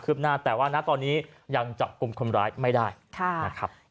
หน้าแต่ว่านะตอนนี้ยังจับกลุ่มคนร้ายไม่ได้นะครับ